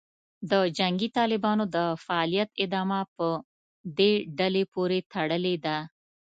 د جنګي طالبانو د فعالیت ادامه په دې ډلې پورې تړلې ده